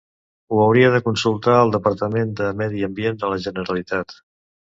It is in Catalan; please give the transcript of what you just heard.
Ho hauria de consultar al Departament de Medi Ambient de la Generalitat.